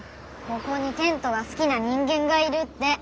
ここにテントが好きな人間がいるって。